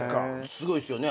すごいですよね。